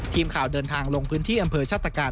ทีมข่าวเดินทางลงพื้นที่อำเภอชาติกาศ